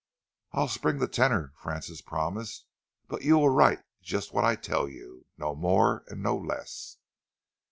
"I'll spring the tenner," Francis promised, "but you'll write just what I tell you no more and no less."